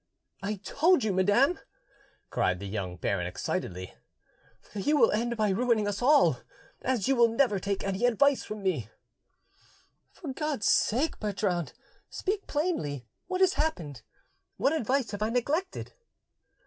"I told you, madam," cried the young baron excitedly, "you will end by ruining us all, as you will never take any advice from me." "For God's sake, Bertrand, speak plainly: what has happened? What advice have I neglected?"